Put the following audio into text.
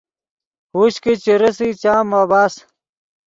ہوش کہ چے رېسئے چام عبث